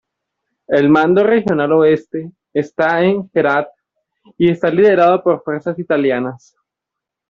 El Mando Regional Oeste está en Herat y está liderado por fuerzas italianas.